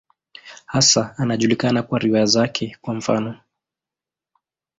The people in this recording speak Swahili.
Hasa anajulikana kwa riwaya zake, kwa mfano.